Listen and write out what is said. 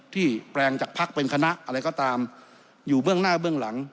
แปลงจากพักเป็นคณะอะไรก็ตามอยู่เบื้องหน้าเบื้องหลัง